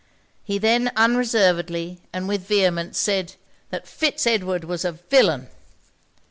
'He then unreservedly, and with vehemence said, that Fitz Edward was a villain!